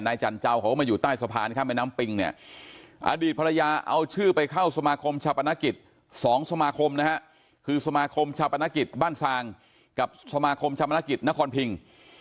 จันเจ้าเขาก็มาอยู่ใต้สะพานข้ามแม่น้ำปิงเนี่ยอดีตภรรยาเอาชื่อไปเข้าสมาคมชาปนกิจ๒สมาคมนะฮะคือสมาคมชาปนกิจบ้านซางกับสมาคมชามนกิจนครพิง